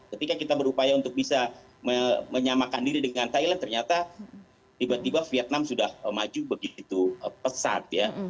ketika kita berupaya untuk bisa menyamakan diri dengan thailand ternyata tiba tiba vietnam sudah maju begitu pesat ya